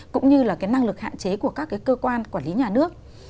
cũng như là cái năng lực hạn chế của các cái cơ quan quản lý nhà nước